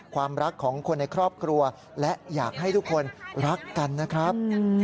ความรักของคนในครอบครัวและอยากให้ทุกคนรักกันนะครับ